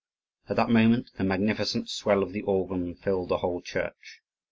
At that moment the magnificent swell of the organ filled the whole church.